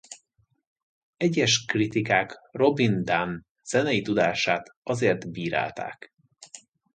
Egyes kritikák Robin Dunne zenei tudását azért bírálták.